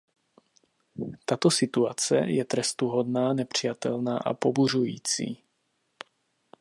Tato situace je trestuhodná, nepřijatelná a pobuřující.